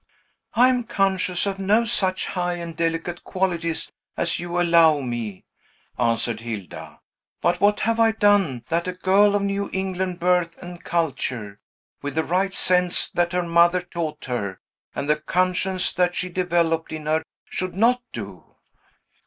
"I am conscious of no such high and delicate qualities as you allow me," answered Hilda. "But what have I done that a girl of New England birth and culture, with the right sense that her mother taught her, and the conscience that she developed in her, should not do?"